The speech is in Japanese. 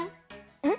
うん？